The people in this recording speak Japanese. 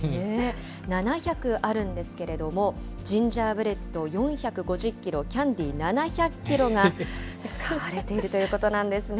７００あるんですけど、ジンジャーブレッド４５０キロ、キャンディー７００キロが使われているということなんですね。